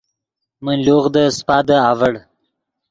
من لوغدے سیپادے اڤڑ